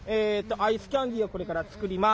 アイスキャンデーをこれから作ります。